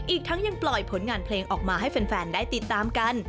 อีกทั้งยังปล่อยผลงานเพลงออกมาให้แฟนได้ติดตามกัน